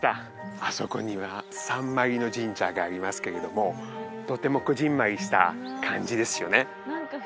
あそこにはサンマリノ神社がありますけれどもとてもこぢんまりした感じですよね